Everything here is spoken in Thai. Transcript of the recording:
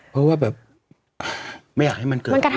เพราะว่าแบบไม่อยากให้มันเกิด